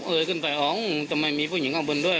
ขึ้นไปอ๋องทำไมมีผู้หญิงข้างบนด้วย